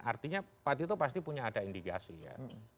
artinya pak tito pasti punya ada indikasi ya